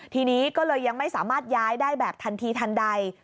ทีนี้ก็เลยยังไม่สามารถย้ายได้แบบทันทีทันใด